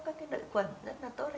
các lợi khuẩn rất là tốt